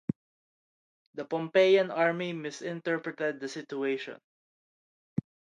The Pompeian army misinterpreted the situation.